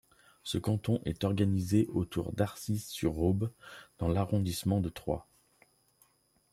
Ce canton est organisé autour d'Arcis-sur-Aube dans l'arrondissement de Troyes.